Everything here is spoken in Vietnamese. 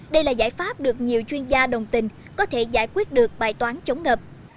đây là giải pháp được nhiều chuyên gia đồng tình có thể giải quyết được bài toán chống ngập